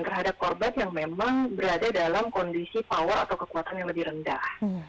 terhadap korban yang memang berada dalam kondisi power atau kekuatan yang lebih rendah